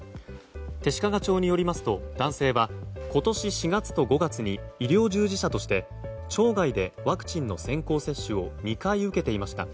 弟子屈町によりますと男性は今年４月と５月に医療従事者として町外でワクチンの先行接種を２回受けていました。